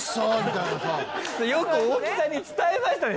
よく大木さんに伝えましたね。